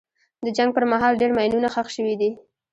د جنګ پر مهال ډېر ماینونه ښخ شوي دي.